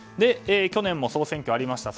去年も総選挙ありました。